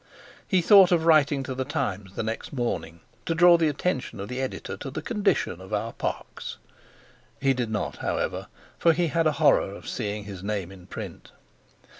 He thought of writing to The Times the next morning, to draw the attention of the Editor to the condition of our parks. He did not, however, for he had a horror of seeing his name in print.